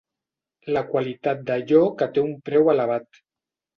La qualitat d'allò que té un preu elevat.